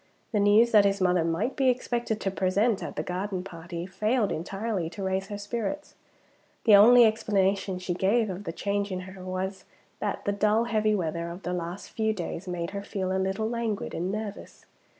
The news that his mother might be expected to be present at the garden party failed entirely to raise her spirits. The only explanation she gave of the change in her was, that the dull heavy weather of the last few days made her feel a little languid and nervous.